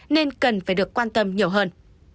nên cần phải được quan tâm nhiều hơn